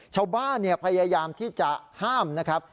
ชาวบ้านเนี่ยพยายามที่จะห้ามนะครับ